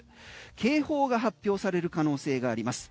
警報が発表される可能性があります。